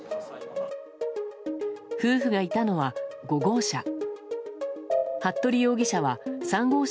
夫婦がいたのは５号車。